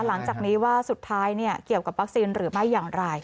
หลังจากนี้ว่าสุดท้ายเกี่ยวกับวัคซีนหรือไม่อย่างไร